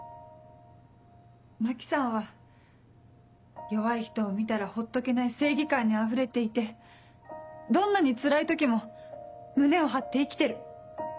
真希さんは弱い人を見たらほっとけない正義感にあふれていてどんなにつらい時も胸を張って生きてる。